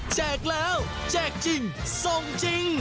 แจกแล้วแจกจริงส่งจริง